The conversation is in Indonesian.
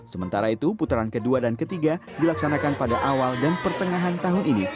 sementara itu putaran kedua dan ketiga dilaksanakan pada awal dan pertengahan tahun ini